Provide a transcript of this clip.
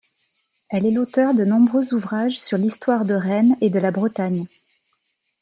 Elle est l’auteur de nombreux ouvrages sur l’histoire de Rennes et de la Bretagne.